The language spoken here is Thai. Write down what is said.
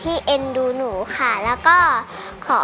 คุณแม่รู้สึกยังไงในตัวของกุ้งอิงบ้าง